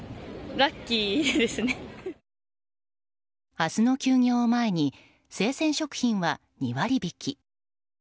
明日の休業を前に生鮮食品は２割引き。